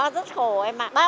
rất khổ em ạ